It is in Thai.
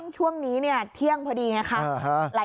ช่วงนี้เที่ยงพอดี